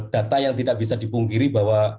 data yang tidak bisa dipungkiri bahwa